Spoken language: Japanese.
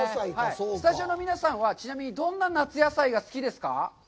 スタジオの皆さんは、ちなみにどんな夏野菜が好きですか？